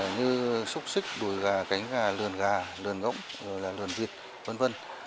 như xúc xích đùi gà cánh gà lườn gà lườn gỗng lườn vịt v v